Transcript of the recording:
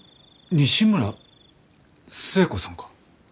西村寿恵子さんか？